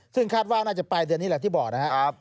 ซึ่งคาดว่าน่าจะปลายเดือนนี้แหละที่บอกนะครับ